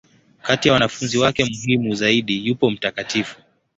Kati ya wanafunzi wake muhimu zaidi, yupo Mt.